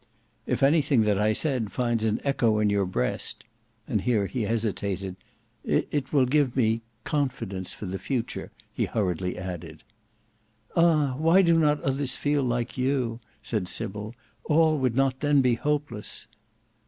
"If anything that I said finds an echo in your breast," and here he hesitated, "—it will give me confidence for the future," he hurriedly added. "Ah! why do not others feel like you!" said Sybil, "all would not then be hopeless."